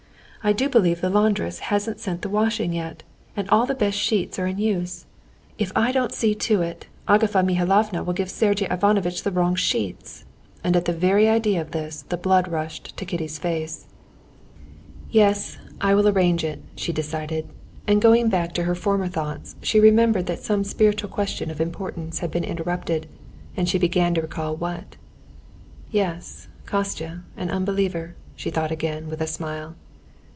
"I do believe the laundress hasn't sent the washing yet, and all the best sheets are in use. If I don't see to it, Agafea Mihalovna will give Sergey Ivanovitch the wrong sheets," and at the very idea of this the blood rushed to Kitty's face. "Yes, I will arrange it," she decided, and going back to her former thoughts, she remembered that some spiritual question of importance had been interrupted, and she began to recall what. "Yes, Kostya, an unbeliever," she thought again with a smile.